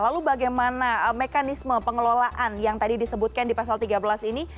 lalu bagaimana mekanisme pengelolaan yang tadi disebutkan di pasal tiga belas ini